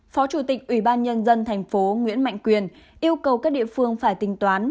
phó chủ tịch ủy ban nhân dân thành phố nguyễn mạnh quyền yêu cầu các địa phương phải tính toán